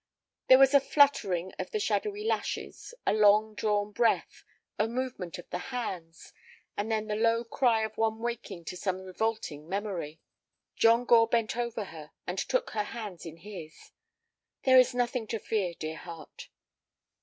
There was a fluttering of the shadowy lashes, a long drawn breath, a movement of the hands, and then the low cry of one waking to some revolting memory. John Gore bent over her and took her hands in his. "There is nothing to fear, dear heart."